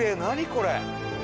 これ。